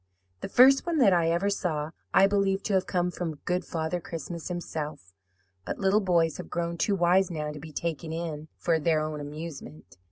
The first one that I ever saw I believed to have come from Good Father Christmas himself; but little boys have grown too wise now to be taken in for their own amusement.